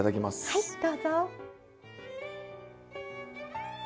はいどうぞ。